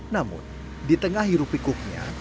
namun di tengah hirup pikuknya